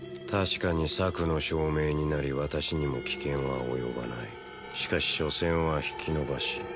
確かに策の証明になり私にも危険は及ばないしかし所詮は引き延ばし